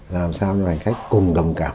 làm sao cho hành khách cùng đồng cảm